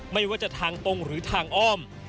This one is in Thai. ไม่ว่าจะทางตรงหรือทางอ้อม